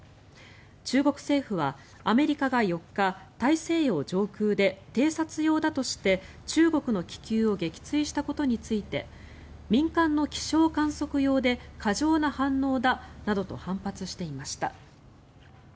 中国政府はアメリカが４日、大西洋上空で偵察用だとして、中国の気球を撃墜したことについて民間の気象観測用で過剰な反応だなどと反発していました。